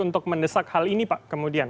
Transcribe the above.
untuk mendesak hal ini pak kemudian